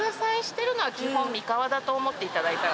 だと思っていただいたら。